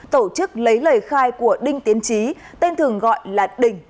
tổ chức lấy lời khai của đinh tiến trí tên thường gọi là đình